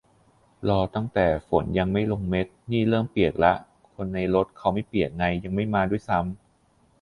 รอตั้งแต่ฝนยังไม่ลงเม็ด นี่เริ่มเปียกละ คนในรถเขาไม่เปียกไง ยังไม่มาด้วยซ้ำ